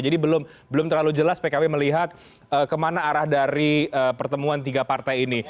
jadi belum terlalu jelas pkb melihat kemana arah dari pertemuan tiga partai ini